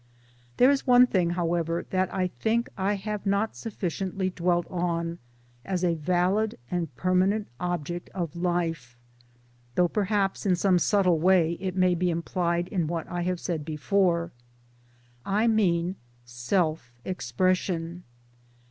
1 There is one thing however that I think I have not sufficiently dwelt on as a valid and permanent object of Life though perhaps in some subtle way it may be implied in what I have said before. I mean Self Expression.